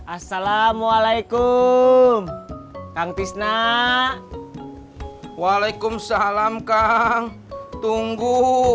assalamualaikum kang pisna waalaikumsalam kang tunggu